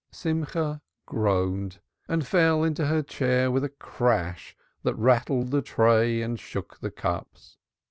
Simcha groaned and fell into her chair with a crash that rattled the tray and shook the cups.